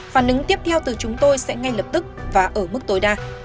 phản ứng tiếp theo từ chúng tôi sẽ ngay lập tức và ở mức tối đa